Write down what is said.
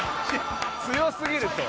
強すぎると。